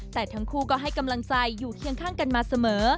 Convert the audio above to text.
แต่ทั้งคู่ก็ให้กำลังใจอยู่เคียงข้างกันมาเสมอ